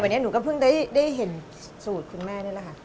วันนี้หนูก็เพิ่งได้เห็นสูตรคุณแม่นี่แหละค่ะ